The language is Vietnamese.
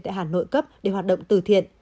tại hà nội cấp để hoạt động từ thiện